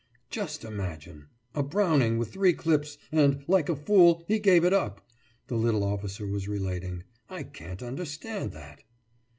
»Just imagine! A Browning with three clips and, like a fool, he gave it up!« the little officer was relating. »I can't understand that!